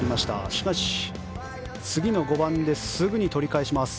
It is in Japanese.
しかし、次の５番ですぐに取り返します。